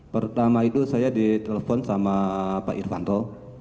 pertama itu saya ditelepon sama pak irvanto